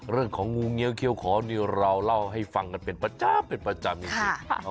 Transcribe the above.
เรื่องของงูเงี้ยวเคี่ยวขอเนียวเราเล่าให้ฟังกันเป็นประจำ